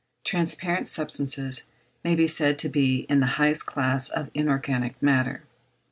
Transparent substances may be said to be in the highest class of inorganic matter.